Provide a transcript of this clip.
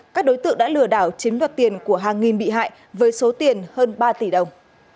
các đối tượng đã lừa đảo chiếm đoạt tiền của hàng nghìn bị hại với số tiền hơn ba tỷ đồng